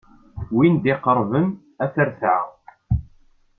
Win d-iqerrben ad t-retɛeɣ.